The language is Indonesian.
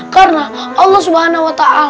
karena allah swt